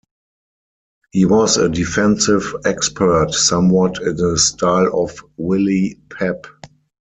He was a defensive expert, somewhat in the style of Willie Pep.